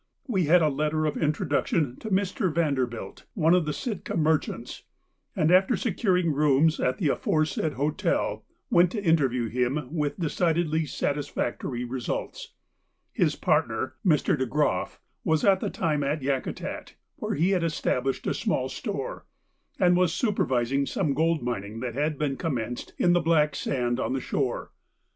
We had a letter of introduction to Mr. Vanderbilt, one of the Sitka merchants, and, after securing rooms at the aforesaid hotel, went to interview him with decidedly satisfactory results. His partner, Mr. De Groff, was at that time at Yakutat, where he had established a small store, and was supervising some gold mining that had been commenced in the black sand on the shore.